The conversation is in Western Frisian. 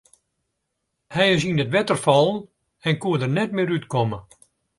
Hy is yn it wetter fallen en koe der net mear út komme.